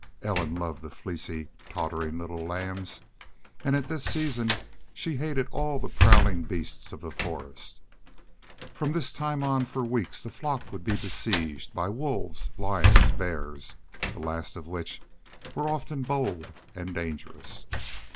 Ellen loved the fleecy, tottering little lambs, and at this season she hated all the prowling beast of the forest. From this time on for weeks the flock would be besieged by wolves, lions, bears, the last of which were often bold and dangerous.